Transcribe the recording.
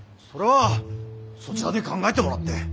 それはそちらで考えてもらって。